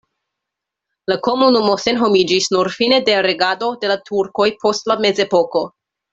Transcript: La komunumo senhomiĝis nur fine de regado de la turkoj post la mezepoko.